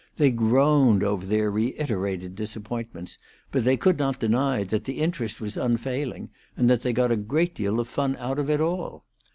They groaned over their reiterated disappointments, but they could not deny that the interest was unfailing, and that they got a great deal of fun out of it all.